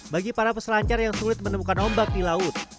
bagi para peselancar yang sulit menemukan ombak di laut